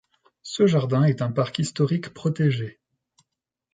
Ce jardin est un parc historique protégé.